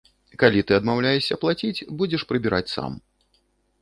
Калі ты адмаўляешся плаціць, будзеш прыбіраць сам.